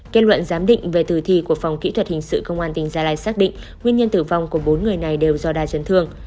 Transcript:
kết luận giám định về tử thi của phòng kỹ thuật hình sự công an tỉnh gia lai xác định nguyên nhân tử vong của bốn người này đều do đa chấn thương